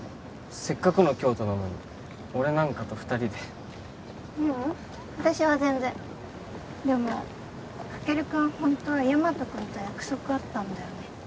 せっかくの京都なのに俺なんかと二人でううん私は全然でもカケル君ホントはヤマト君と約束あったんだよね？